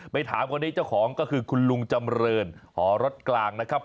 ถามคนนี้เจ้าของก็คือคุณลุงจำเรินหอรถกลางนะครับ